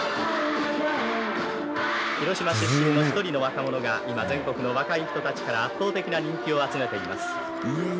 広島出身の１人の若者が今、全国の若い人たちから圧倒的な人気を集めています。